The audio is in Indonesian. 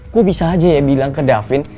kok bisa aja ya bilang ke davin